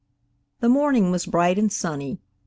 THE morning was bright and sunny.